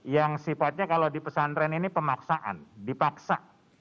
yang sifatnya kalau di pesantren ini pemaksaan dipaksa